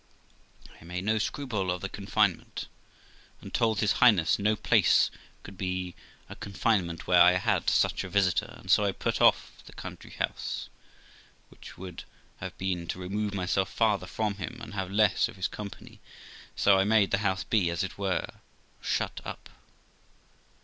I made no scruple of the confinement, and told his Highness no place could be a confinement where I had such a visitor, and so I put off the country house, which would have been to remove myself farther from him, and have less of his company; so I made the house be, as it were, shut up.